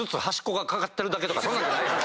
そんなんじゃないよな